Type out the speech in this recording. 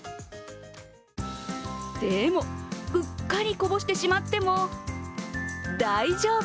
でも、うっかりこぼしてしまっても大丈夫。